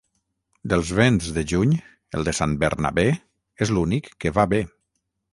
Dels vents de juny, el de Sant Bernabé és l'únic que va bé.